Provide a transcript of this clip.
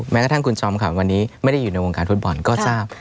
แม้กระทั่งคุณจอมขำวันนี้ไม่ได้อยู่ในวงการฟุตบอลก็ทราบ